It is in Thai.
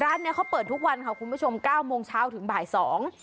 เนี้ยเขาเปิดทุกวันค่ะคุณผู้ชมเก้าโมงเช้าถึงบ่ายสอง